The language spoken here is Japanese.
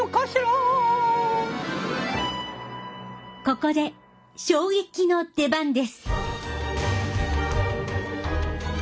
ここで衝撃の出番です。